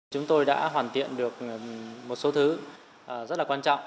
chúng tôi đã hoàn thiện được một số thứ rất là quan trọng